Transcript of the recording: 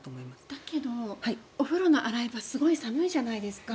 だけど、お風呂の洗い場すごく寒いじゃないですか。